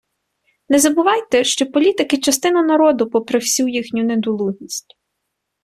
Не забувайте, що політики - частина народу, попри всю їхню недолугість.